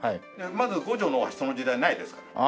まず五条の大橋その時代ないですから。